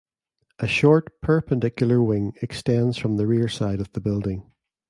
A short perpendicular wing extends from the rear side of the building.